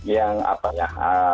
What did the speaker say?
yang apa ya